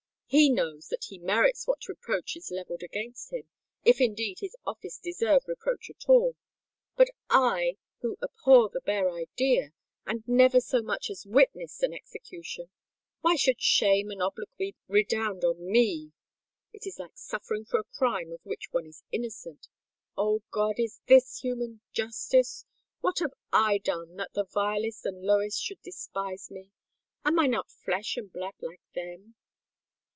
He knows that he merits what reproach is levelled against him, if indeed his office deserve reproach at all; but I, who abhor the bare idea, and never so much as witnessed an execution—why should shame and obloquy redound upon me? It is like suffering for a crime of which one is innocent! O God, is this human justice? What have I done that the vilest and lowest should despise me? Am I not flesh and blood like them?